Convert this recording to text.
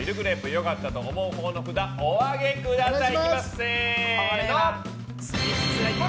良かったと思うほうの札をお上げください。